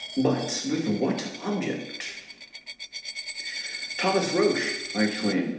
But with what object? "Thomas Roch!" I exclaim.